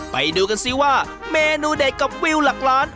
ไปดูกันซิว่าเมนูเด็ดกับวิวหลักล้าน